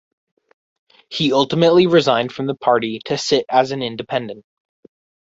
He ultimately resigned from the party, to sit as an Independent.